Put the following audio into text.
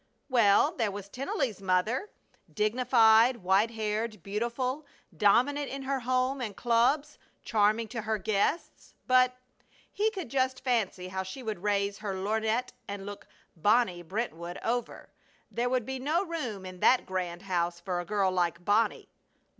Well, there was Tennelly's mother! Dignified, white haired, beautiful, dominant in her home and clubs, charming to her guests; but he could just fancy how she would raise her lorgnette and look "Bonnie" Brentwood over. There would be no room in that grand house for a girl like Bonnie.